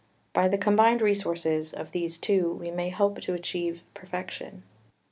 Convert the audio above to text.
By the combined resources of these two we may hope to achieve perfection.